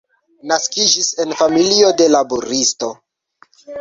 Naskiĝis en familio de laboristo.